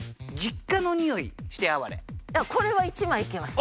これは１枚いけますね。